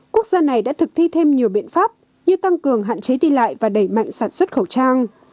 quốc gia này đã thực thi thêm nhiều biện pháp như tăng cường hạn chế đi lại và đẩy mạnh sản xuất khẩu trang